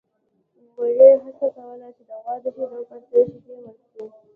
وري هڅه کوله چې د غوا د شیدو په څېر شیدې ورکړي.